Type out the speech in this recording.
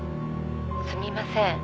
「すみません。